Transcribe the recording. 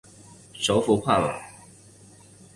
首府帕马。